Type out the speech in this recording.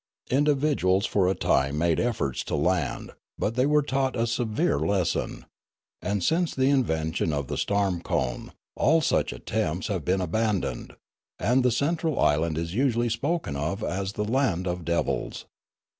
In dividuals for a time made efforts to land ; but they were taught a severe lesson ; and, since the invention of the storm cone, all such attempts have been aban doned, and the central island is usually spoken of as the Land of Devils.